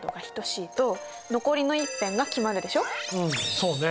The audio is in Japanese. そうね。